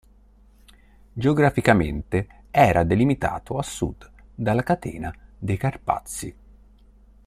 Geograficamente era delimitato a sud dalla catena dei Carpazi.